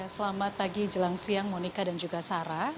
selamat pagi jelang siang monika dan juga sarah